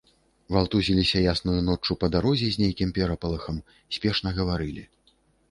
Валтузіліся яснаю ноччу па дарозе з нейкім пярэпалахам, спешна гаварылі.